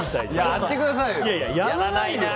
やってくださいよ。